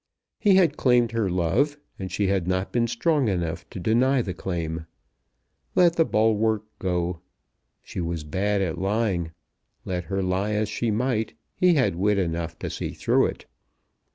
He had claimed her love, and she had not been strong enough to deny the claim. Let the bulwark go. She was bad at lying. Let her lie as she might, he had wit enough to see through it.